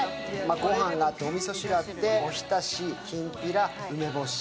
ごはんがあって、おみそ汁があっておひたし、きんぴら、梅干し。